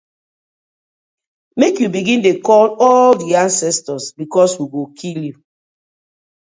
Mek yu begin de call all de ancestors because we go kill yu.